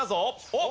おっ！